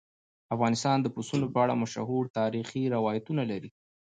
افغانستان د پسونو په اړه مشهور تاریخي روایتونه لري.